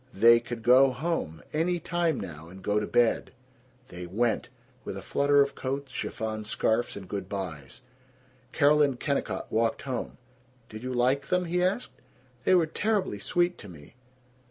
They could go home, any time now, and go to bed! They went, with a flutter of coats, chiffon scarfs, and good bys. Carol and Kennicott walked home. "Did you like them?" he asked. "They were terribly sweet to me."